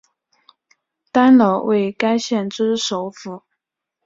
丹老为该县之首府。